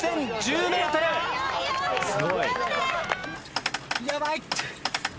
すごい。